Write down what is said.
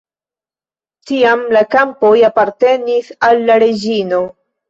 Tiam la kampoj apartenis al la reĝino.